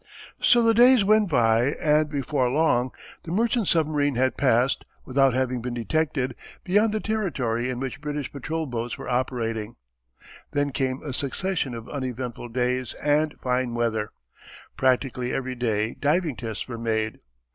So the days went by and before long the merchant submarine had passed, without having been detected, beyond the territory in which British patrol boats were operating. Then came a succession of uneventful days and fine weather. Practically every day diving tests were made.